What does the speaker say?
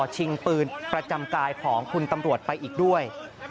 ชิงปืนประจำกายของคุณตำรวจไปอีกด้วย